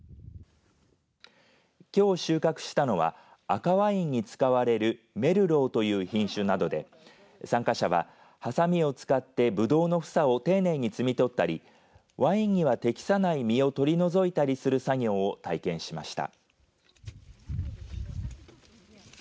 きょう収穫したのは赤ワインに使われるメルローという品種などで参加者は、はさみを使ってぶどうの房を丁寧に摘み取ったりワインには適さない実を取り除いたりする作業を体験しました。